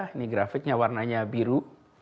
ini grafiknya warnanya biru